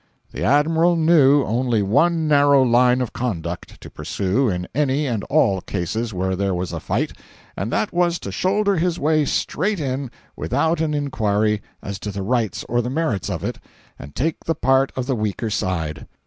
The Admiral knew only one narrow line of conduct to pursue in any and all cases where there was a fight, and that was to shoulder his way straight in without an inquiry as to the rights or the merits of it, and take the part of the weaker side.